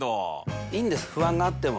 いいんです不安があっても。